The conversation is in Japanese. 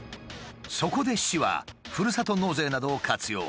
そこで市はふるさと納税などを活用。